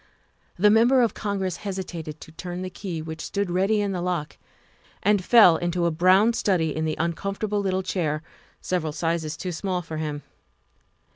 The Member of Congress hesitated to turn the key which stood ready in the lock, and fell into a brown study in the uncomfortable little chair, several sizes too small for him.